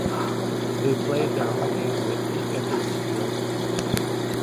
They played their home games at Pete Edwards Field.